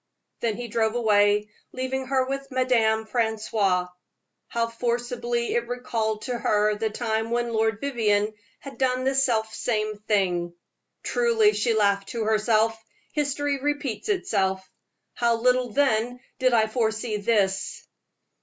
Then he drove away, leaving her with Madame Francoise. How forcibly it recalled to her the time when Lord Vivianne had done the self same thing. "Truly," she laughed to herself, "history repeats itself. How little then did I foresee this."